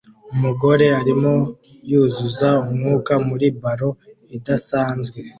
Umugore arimo yuzuza umwuka muri ballon idasanzwe